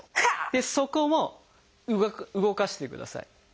でそこも動かしてください。